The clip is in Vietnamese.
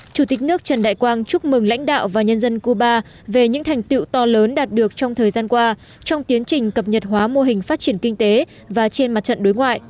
chủ tịch nước trần đại quang chúc mừng lãnh đạo và nhân dân cuba về những thành tiệu to lớn đạt được trong thời gian qua trong tiến trình cập nhật hóa mô hình phát triển kinh tế và trên mặt trận đối ngoại